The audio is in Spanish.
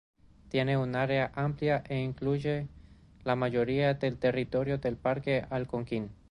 Tiene un área amplia, e incluye la mayoría del territorio del Parque Algonquin.